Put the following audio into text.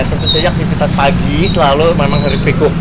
tentu saja aktivitas pagi selalu memang sering berpikir